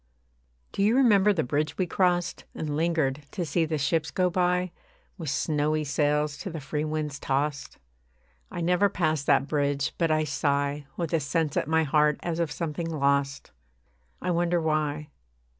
Do you remember the bridge we crossed, And lingered to see the ships go by, With snowy sails to the free winds tossed? I never pass that bridge but I sigh With a sense at my heart as of something lost. I wonder why.